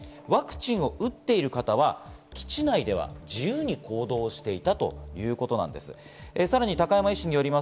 ワクチンを打っている方は基地内では自由に行動していたということなんです。